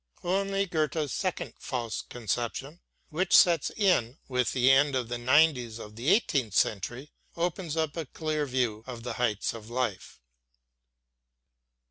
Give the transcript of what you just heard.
Only Goethe's second Faust conception, which sets in with the end of the nineties of the eighteenth century, opens up a clear view of the heights of life.